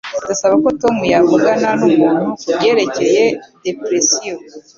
Ndasaba ko Tom yavugana numuntu kubyerekeye depression.